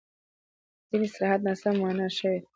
ځینې اصطلاحات ناسم مانا شوي دي.